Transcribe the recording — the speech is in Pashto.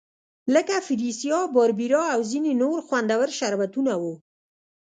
لکه فریسا، باربیرا او ځیني نور خوندور شربتونه وو.